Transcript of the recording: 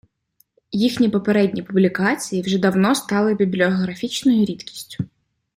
Їхні попередні публікації вже давно стали бібліографічною рідкістю.